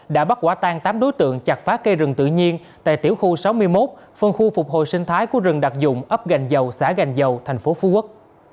đã bắt quả tan tám đối tượng chặt phá cây rừng tự nhiên tại tiểu khu sáu mươi một phân khu phục hồi sinh thái của rừng đặc dụng ấp gành dầu xã gành dầu thành phố phú quốc